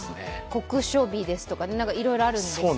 酷暑日ですとかいろいろあるんでしたっけ。